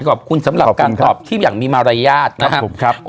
ขอบคุณสำหรับการตอบชีพอย่างมีมารยาทนะครับผมครับ